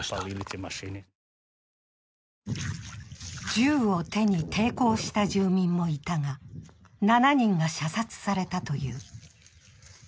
銃を手に抵抗した住民もいたが７人が射殺されたという。